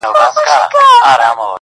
په ښکاره یې اخیستله رشوتونه!!